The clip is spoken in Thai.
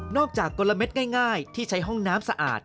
จากกลมเด็ดง่ายที่ใช้ห้องน้ำสะอาด